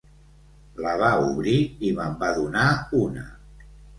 La va obrir i me'n va donar una.